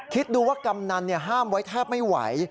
คิดดูว่ากำนันห้ามไว้แทบไม่ไหว